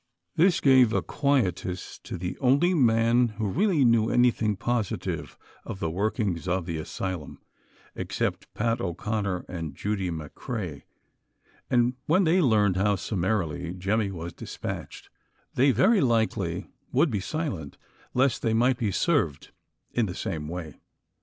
This gave a quietus to the only man who really knew anything positive of the workings of the asylum, except Pat O 'Conner and Judy McCrea, and when they learned how summarily Jemmy was dispatched, they very likely would be silent, lest they might be served in the same way.